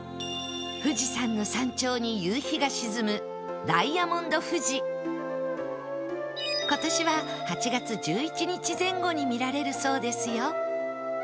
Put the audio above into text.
富士山の山頂に夕日が沈む今年は８月１１日前後に見られるそうですよ